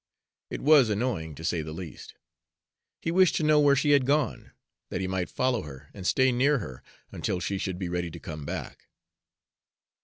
It was annoying, to say the least. He wished to know where she had gone, that he might follow her and stay near her until she should be ready to come back.